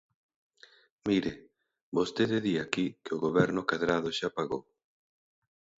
Mire, vostede di aquí que o Goberno Cadrado xa pagou.